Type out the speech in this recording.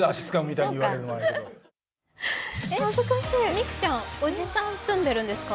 美空ちゃん、おじさん住んでるんですか？